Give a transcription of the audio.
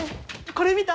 これ見た？